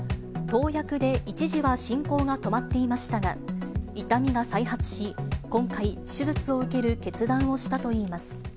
投薬で一時は進行が止まっていましたが、痛みが再発し、今回、手術を受ける決断をしたといいます。